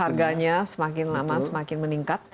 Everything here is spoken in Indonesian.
harganya semakin lama semakin meningkat